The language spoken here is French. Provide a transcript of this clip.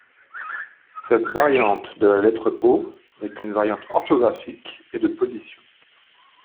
Cette variante de la lettre O n'est qu'une variante orthographique et de position.